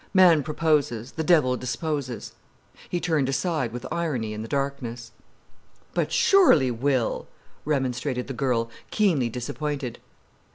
Man proposes—the devil disposes." He turned aside with irony in the darkness. "But surely, Will!" remonstrated the girl, keenly disappointed.